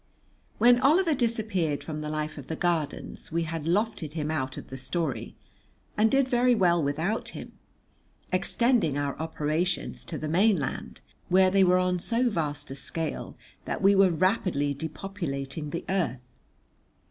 When Oliver disappeared from the life of the Gardens we had lofted him out of the story, and did very well without him, extending our operations to the mainland, where they were on so vast a scale that we were rapidly depopulating the earth.